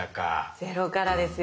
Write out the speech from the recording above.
ゼロからですよ。